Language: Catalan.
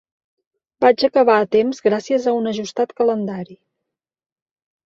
Vaig acabar a temps gràcies a un ajustat calendari.